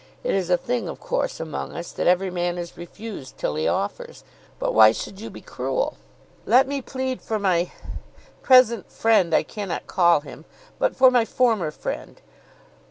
It is a thing of course among us, that every man is refused, till he offers. But why should you be cruel? Let me plead for my—present friend I cannot call him, but for my former friend.